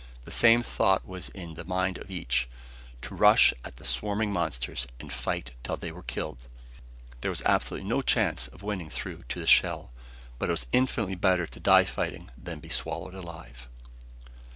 The same thought was in the mind of each to rush at the swarming monsters and fight till they were killed. There was absolutely no chance of winning through to the shell, but it was infinitely better to die fighting than be swallowed alive.